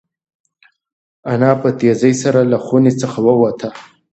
انا په تېزۍ سره له خونې څخه ووته.